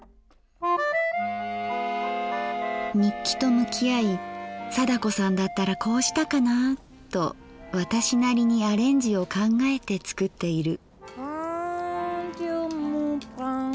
日記と向き合い貞子さんだったらこうしたかな？と私なりにアレンジを考えて作っている。